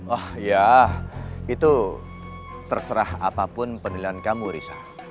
oh ya itu terserah apapun penilaian kamu risa